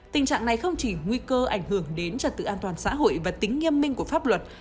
tình trạng này không chỉ nguy cơ ảnh hưởng đến trật tự an toàn xã hội và tính nghiêm minh của pháp luật